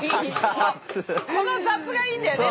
この雑がいいんだよね